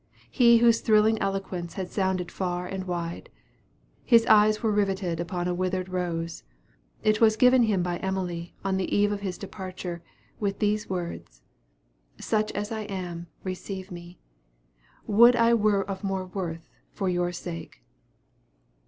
he whose thrilling eloquence had sounded far and wide? His eyes were riveted upon a withered rose. It was given him by Emily, on the eve of his departure, with these words, "Such as I am, receive me. Would I were of more worth, for your sake."